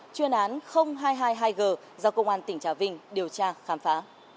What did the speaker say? chuyên án hai trăm hai mươi hai g do công an tỉnh trà vinh điều tra khám phá